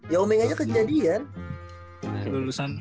ya omeng aja kejadian ya omeng aja kejadian